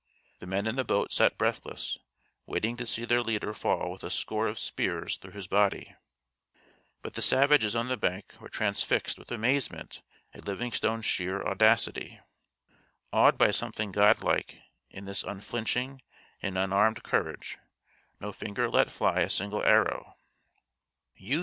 The men in the boat sat breathless, waiting to see their leader fall with a score of spears through his body. But the savages on the bank were transfixed with amazement at Livingstone's sheer audacity. Awed by something god like in this unflinching and unarmed courage, no finger let fly a single arrow.